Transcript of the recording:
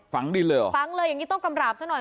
ฝังดินเลยเหรอฝังเลยอย่างนี้ต้องกำราบซะหน่อย